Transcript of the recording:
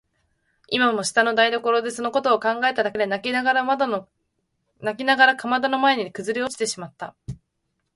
今も下の台所でそのことを考えただけで泣きながらかまどの前にくずおれてしまった。